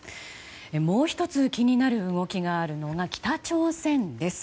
もう１つ、気になる動きがあるのが北朝鮮です。